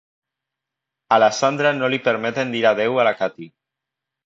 A la Sandra no li permeten dir adéu a la Katie.